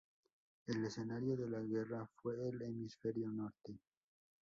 El escenario de la guerra fue el hemisferio Norte.